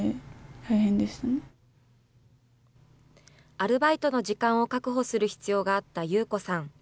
アルバイトの時間を確保する必要があったユウコさん。